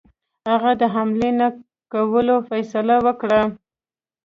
هغه د حملې نه کولو فیصله وکړه.